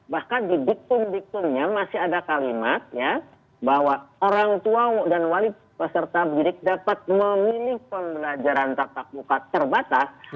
bahkan di diktum diktumnya masih ada kalimat ya bahwa orang tua dan wali peserta didik dapat memilih pembelajaran tatap muka terbatas